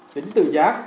tính tự giác